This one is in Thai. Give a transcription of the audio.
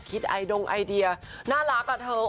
ยิดไอดงไอเดียน่ารักกับเธออบอุ่น